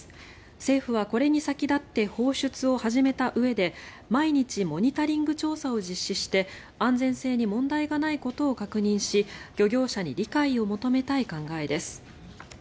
政府はこれに先立って放出を始めたうえで毎日モニタリング調査を実施して安全性に問題がないことを確認し漁業者に理解を求めたい考えです。